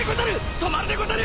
早まるなでござる！